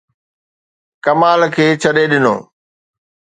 ڪمال کي ڇڏي ڏنو.